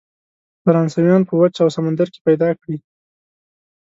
فرانسویان په وچه او سمندر کې پیدا کړي.